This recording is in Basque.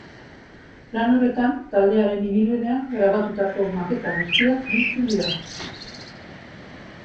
Lan horretan, taldearen ibilbidean grabatutako maketa guztiak biltzen dira.